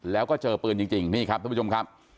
แล้วก็เจอปืนจริงนี่ครับทุกผู้ชมครับ